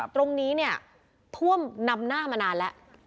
ตรงนี้เนี่ยท่วมนำหน้ามานานแล้ว